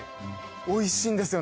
おいしいんですよ